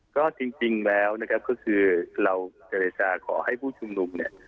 ก็จริงแล้วนะครับก็คือเราเจรจาขอให้ผู้ชุมนุมเนี่ย